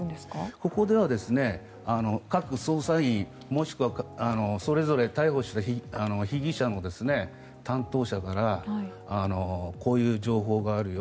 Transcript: ここでは各捜査員もしくはそれぞれ逮捕した被疑者の担当者からこういう情報があるよ